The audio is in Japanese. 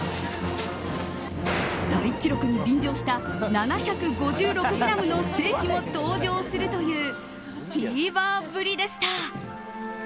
大記録に便乗した７５６ｇのステーキも登場するというフィーバーぶりでした。